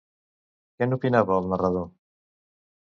Què n'opinava el narrador?